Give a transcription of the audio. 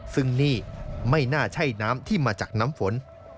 ซึ่งนี่ไม่น่าใช่น้ำที่มาจากน้ำฝน